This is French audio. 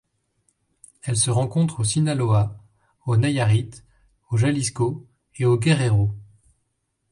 Elle se rencontre au Sinaloa, au Nayarit, au Jalisco et au Guerrero.